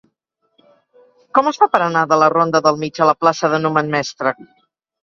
Com es fa per anar de la ronda del Mig a la plaça de Numen Mestre?